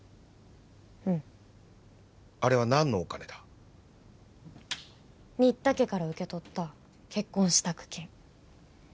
うんあれは何のお金だ新田家から受け取った結婚支度金